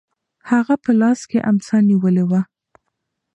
هغه په لاس کې امسا نیولې وه.